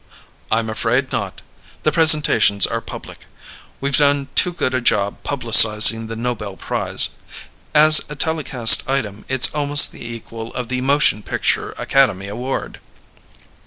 "I'm afraid not. The presentations are public. We've done too good a job publicizing the Nobel Prize. As a telecast item, it's almost the equal of the motion picture Academy Award."